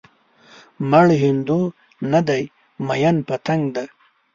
مړ هندو نه دی ميئن پتنګ دی